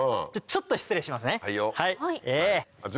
ちょっと失礼しますね。